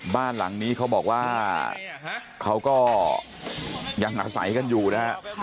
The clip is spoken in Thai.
บ้านหลังนี้เขาบอกว่าเขาก็ยังอาศัยกันอยู่นะฮะ